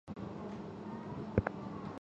利松站位于利松市区的南部。